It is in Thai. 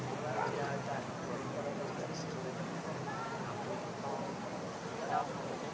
โปรดติดตามต่อไป